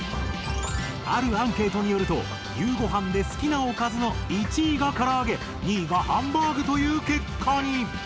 あるアンケートによると夕ご飯で好きなおかずの１位がから揚げ２位がハンバーグという結果に！